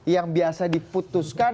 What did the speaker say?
yang biasa diputuskan